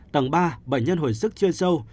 tầng ba bệnh nhân hồi sức chưa sâu